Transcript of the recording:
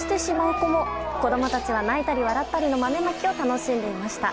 子供たちは、泣いたり笑ったりの豆まきを楽しんでいました。